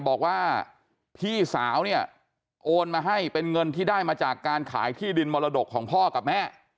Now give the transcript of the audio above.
บอกว่าพี่สาวเนี่ยโอนมาให้เป็นเงินที่ได้มาจากการขายที่ดินมรดกของพ่อกับแม่